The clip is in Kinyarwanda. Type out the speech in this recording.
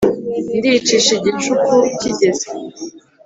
Ndyicisha igicuku kigeze